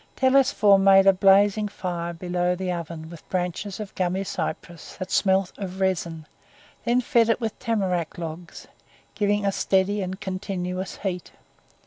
Telesphore made a blazing fire below the Oven with branches of gummy cypress that smelled of resin, then fed it with tamarack logs, giving a steady and continuous heat.